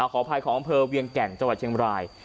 ขออภัยของอำเภอเวียงแก่นจังหวัดเชียงบราย